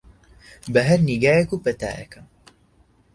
بە هەر نیگایەک و پەتایەکە